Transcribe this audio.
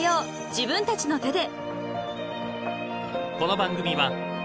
自分たちの手で］